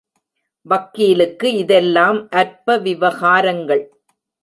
வக்கீலுக்கு இதெல்லாம் அற்ப விவகாரங்கள்.